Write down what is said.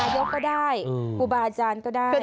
นายก็ได้ครูบาอาจารย์ก็ได้ตลัดก็ได้